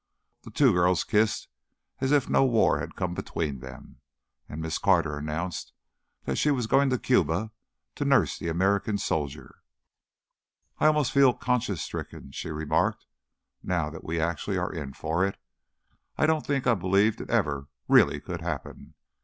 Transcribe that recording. The two girls kissed as if no war had come between them, and Miss Carter announced that she was going to Cuba to nurse the American soldier. "I almost feel conscience stricken," she remarked, "now that we actually are in for it. I don't think I believed it ever really could happen.